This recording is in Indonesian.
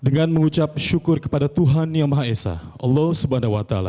dengan mengucap syukur kepada tuhan yang maha esa allah subhanahu wa ta'ala